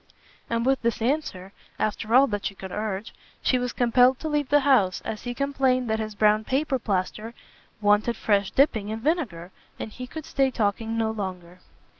And with this answer, after all that she could urge, she was compelled to leave the house, as he complained that his brown paper plaister wanted fresh dipping in vinegar, and he could stay talking no longer.